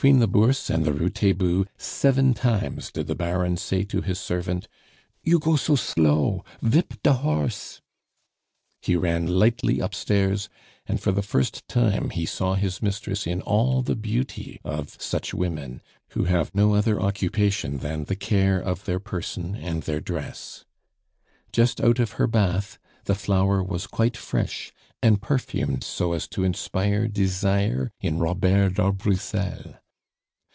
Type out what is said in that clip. Between the Bourse and the Rue Taitbout seven times did the Baron say to his servant: "You go so slow vip de horse!" He ran lightly upstairs, and for the first time he saw his mistress in all the beauty of such women, who have no other occupation than the care of their person and their dress. Just out of her bath the flower was quite fresh, and perfumed so as to inspire desire in Robert d'Arbrissel.